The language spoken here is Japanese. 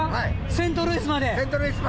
セントルイスまで。